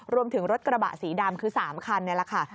รวมถึงรถกระบะสีดำคือ๓คันนี่แหละค่ะ